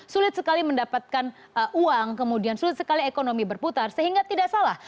sulit sekali mendapatkan uang kemudian sulit sekali ekonomi berputar sehingga tidak salah